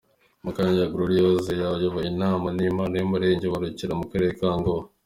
Mukayiranga Gloriose ayoboye Inama Njyanama y’umurenge wa Rukira mu karere ka Ngoma.